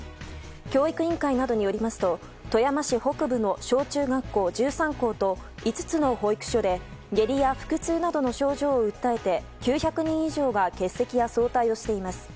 教育委員会などによりますと富山市北部の小中学校１３校と５つの保育所で、下痢や腹痛などの症状を訴えて９００人以上が欠席や早退をしています。